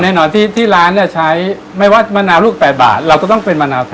แน่นอนที่ร้านเนี่ยใช้ไม่ว่ามะนาวลูก๘บาทเราก็ต้องเป็นมะนาวแท้